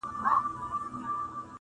وو حاکم خو زور یې زیات تر وزیرانو.!